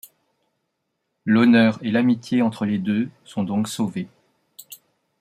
L’honneur et l’amitié entre les deux sont donc sauvés.